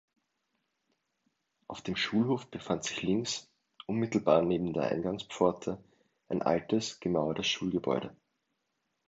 Auf dem Schulhof befand sich links, unmittelbar neben der Eingangspforte, ein altes, gemauertes Schulgebäude.